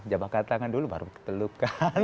jabatkan tangan dulu baru ketelukan